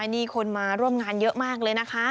นี่คนมาร่วมงานเยอะมากเลยนะคะ